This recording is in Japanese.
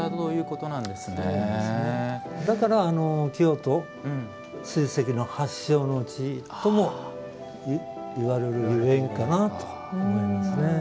だから、京都は水石の発祥の地ともいわれるゆえんかなと思いますね。